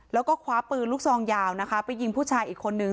แล้วก็คว้าปืนลูกซองยาวนะคะไปยิงผู้ชายอีกคนนึง